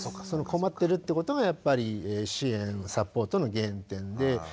その困ってるってことがやっぱり支援・サポートの原点で。